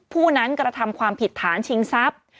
ผู้นั้นกระทำความผิดฐานชิงทรัพย์